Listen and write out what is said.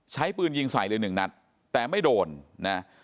ใช้ปืนยิงใส่เลยหนึ่งนัดแต่ไม่โดนนะ